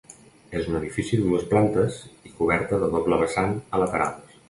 És un edifici de dues plantes i coberta de doble vessant a laterals.